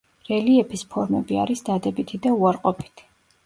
რელიეფის ფორმები არის დადებითი და უარყოფითი.